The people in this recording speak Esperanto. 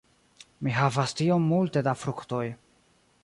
Mi havas tiom multe da fruktoj.